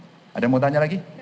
ada yang mau tanya lagi